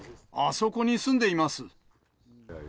あそこに住んでいます。